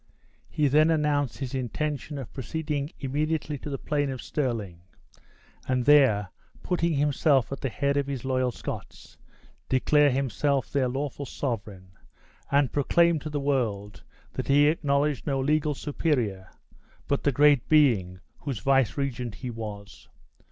He then announced his intention of proceeding immediately to the plain of Stirling; and there, putting himself at the head of his loyal Scots, declare himself their lawful sovereign, and proclaim to the world that he acknowledged no legal superior but the Great Being whose vicegerent he was.